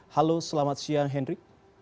halo selamat siang hendrik